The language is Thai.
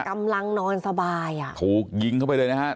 กำลังนอนสบายอ่ะถูกยิงเข้าไปเลยนะฮะ